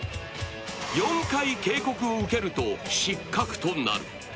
４回警告を受けると失格となる。